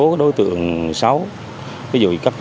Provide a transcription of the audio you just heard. ví dụ các đối tượng xấu các đối tượng xấu các đối tượng xấu